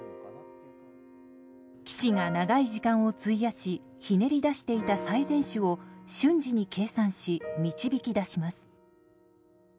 棋士が長い時間を費やしひねり出していた最善手を瞬時に計算し、導き出します。